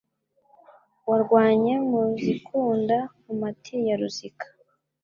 Warwanye mu zikunda Nkomati ya Rukiza